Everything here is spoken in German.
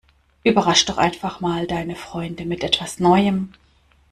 Überrasch' doch einfach mal deine Freunde mit etwas Neuem!